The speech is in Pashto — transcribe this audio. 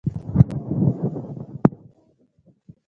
د ژبې نرمښت د هغې ځواک دی.